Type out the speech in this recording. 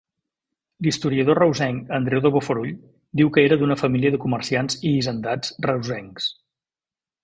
L'historiador reusenc Andreu de Bofarull diu que era d'una família de comerciants i hisendats reusencs.